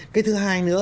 cái thứ hai nữa